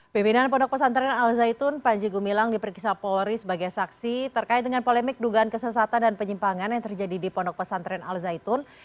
pimpinan pondok pesantren al zaitun panji gumilang diperkisah polri sebagai saksi terkait dengan polemik dugaan kesesatan dan penyimpangan yang terjadi di pondok pesantren al zaitun